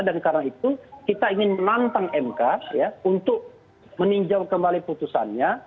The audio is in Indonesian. dan karena itu kita ingin menantang mk untuk meninjau kembali putusannya